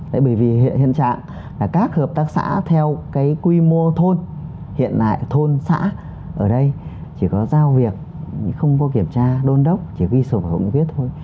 tại bởi vì hiện trạng là các hợp tác xã theo cái quy mô thôn hiện tại thôn xã ở đây chỉ có giao việc không có kiểm tra đôn đốc chỉ ghi sổ bảo hộ viết thôi